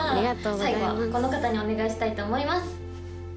最後はこの方にお願いしたいと思います。